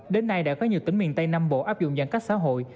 đến nay đã có nhiều tỉnh miền tây nam bộ áp dụng giãn cách xã hội